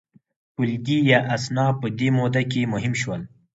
ټولګي یا اصناف په دې موده کې مهم شول.